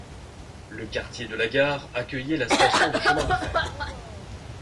Le quartier de la gare accueillait la station de chemin de fer.